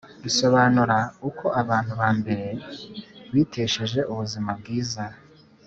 Isobanura uko abantu ba mbere bitesheje ubuzima bwiza